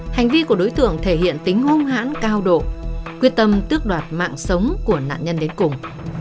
hành vi của đối tượng thể hiện tính hung hãn cao độ quyết tâm tước đoạt mạng sống của nạn nhân đến cùng